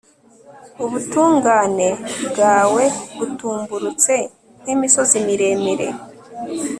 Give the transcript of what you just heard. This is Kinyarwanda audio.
ubutungane bwawe butumburutse nk'imisozi miremire